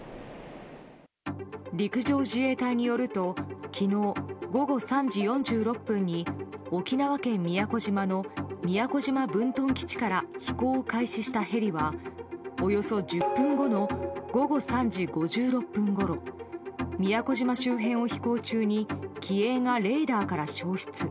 陸上自衛隊によると昨日午後３時４６分に沖縄県宮古島の宮古島分屯基地から飛行を開始したヘリはおよそ１０分後の午後３時５６分ごろ都島周辺を飛行中に機影がレーダーから消失。